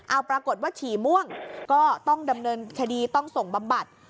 เอาปรากฏว่าฉี่ม่วงก็ต้องดำเนินคดีต้องส่งบำบัด